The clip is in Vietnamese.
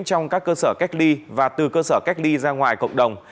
trong các cơ sở cách ly và từ cơ sở cách ly ra ngoài cộng đồng